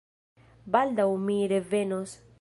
Baldaŭ mi revenos.